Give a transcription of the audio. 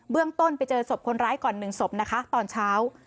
เบื้องต้นไปเจอสมของคนร้าย๑ศพตอนเช้า